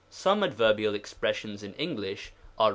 Some adverbial expressions in English, are ren §131.